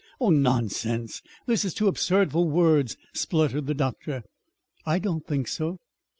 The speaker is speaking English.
"Oh, nonsense! This is too absurd for words," spluttered the doctor. "I don't think so."